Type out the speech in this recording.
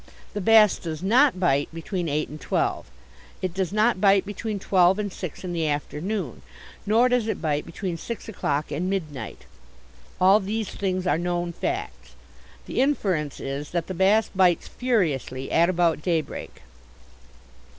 The bass does not bite between eight and twelve. It does not bite between twelve and six in the afternoon. Nor does it bite between six o'clock and midnight. All these things are known facts. The inference is that the bass bites furiously at about daybreak.